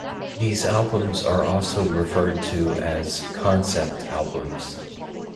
These albums are also referred to as "concept albums,".